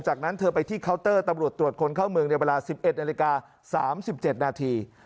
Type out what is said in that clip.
จากนั้นเธอไปที่เคาน์เตอร์ตำรวจตรวจคนเข้าเมืองในเวลา๑๑นาฬิกา๓๗นาที